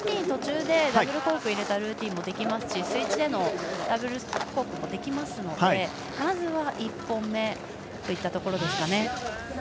途中でダブルコークを入れたルーティンできますし、スイッチでのダブルコークもできますのでまずは１本目といったところですかね。